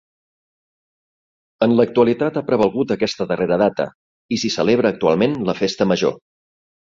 En l'actualitat ha prevalgut aquesta darrera data, i s'hi celebra actualment la Festa Major.